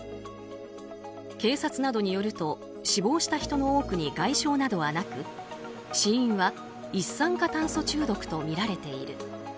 警察などによると死亡した人の多くに外傷などはなく、死因は一酸化炭素中毒とみられている。